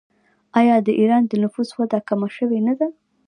آیا د ایران د نفوس وده کمه شوې نه ده؟